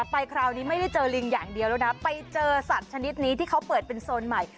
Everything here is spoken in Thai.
ไปคราวนี้ไม่ได้เจอลิงอย่างเดียวแล้วนะไปเจอสัตว์ชนิดนี้ที่เขาเปิดเป็นโซนใหม่